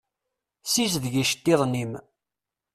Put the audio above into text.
Sizdeg iceṭṭiḍen-im.